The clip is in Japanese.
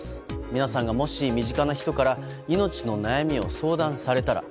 皆さんがもし、身近な人から命の悩みを相談されたら。